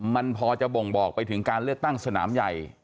มันพอจะบ่งบอกไปถึงการเลือกตั้งสนามใหญ่